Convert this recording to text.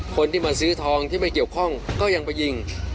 คนที่มาซื้อทองที่ไม่เกี่ยวข้องก็ยังไปยิง